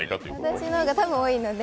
私の方が多分多いので。